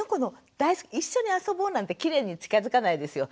一緒に遊ぼうなんてきれいに近づかないですよ。